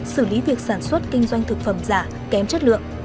xử lý việc sản xuất kinh doanh thực phẩm giả kém chất lượng